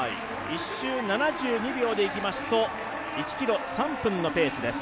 １周７２秒でいきますと、１ｋｍ３分のペースです。